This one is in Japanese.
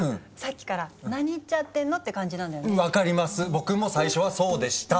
僕も最初はそうでした。